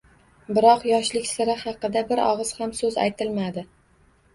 Biroq yoshlik siri haqida bir ogʻiz ham soʻz aytilmadi